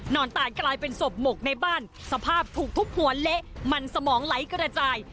นอนตายกลายเป็นศพหมกในบ้านสภาพถูกทุบหัวเละมันสมองไหลกระจาย